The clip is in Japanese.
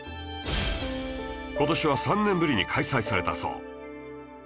今年は３年ぶりに開催されたそう